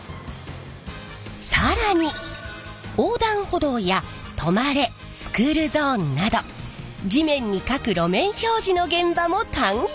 更に横断歩道や「止まれ」「スクールゾーン」など地面にかく路面標示の現場も探検！